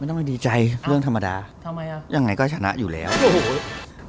ต้องไม่ดีใจเรื่องธรรมดาทำไมอ่ะยังไงก็ชนะอยู่แล้วโอ้โห